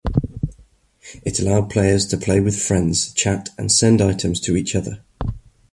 It allowed players to play with friends, chat and send items to each other.